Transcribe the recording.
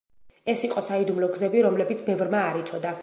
ეს იყო საიდუმლო გზები, რომლებიც ბევრმა არ იცოდა.